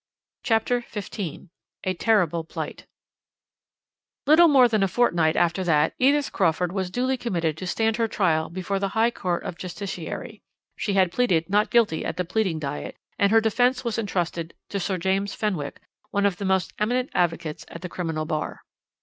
CHAPTER XV A TERRIBLE PLIGHT "Little more than a fortnight after that, Edith Crawford was duly committed to stand her trial before the High Court of Justiciary. She had pleaded 'Not Guilty' at the pleading diet, and her defence was entrusted to Sir James Fenwick, one of the most eminent advocates at the Criminal Bar.